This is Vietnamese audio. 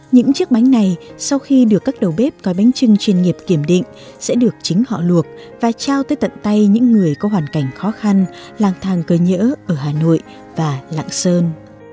những chiếc bánh này sau khi được các đầu bếp cói bánh trưng chuyên nghiệp kiểm định sẽ được chính họ luộc và trao tới tận tay những người có hoàn cảnh khó khăn lang thang cơ nhỡ ở hà nội và lạng sơn